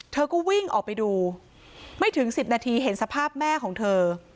เธอก็วิ่งออกไปดูไม่ถึง๑๐นาทีเห็นสภาพแม่ของเธอ